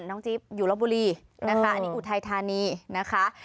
น้องจี๊บอยู่ลบบุรีอุตไททานีนะคะ